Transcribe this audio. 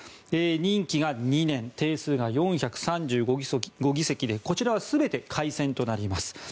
任期が２年定数が４３５議席でこちらは全て改選となります。